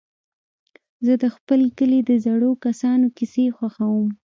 زه د خپل کلي د زړو کسانو کيسې خوښوم.